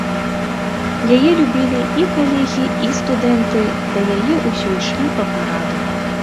Яе любілі і калегі, і студэнты, да яе ўсё ішлі па параду.